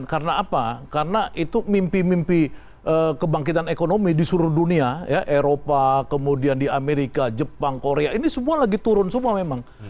karena apa karena itu mimpi mimpi kebangkitan ekonomi di seluruh dunia eropa kemudian di amerika jepang korea ini semua lagi turun semua memang